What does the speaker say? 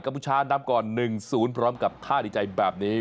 พูชานำก่อน๑๐พร้อมกับท่าดีใจแบบนี้